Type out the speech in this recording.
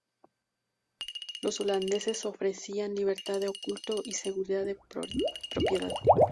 Los holandeses ofrecían libertad de culto y seguridad de propiedad.